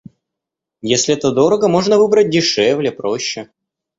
Если это дорого — можно выбрать дешевле, проще.